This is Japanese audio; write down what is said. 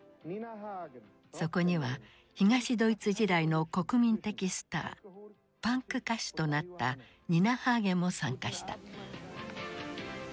そこには東ドイツ時代の国民的スターパンク歌手となったニナ・ハーゲンも参加した。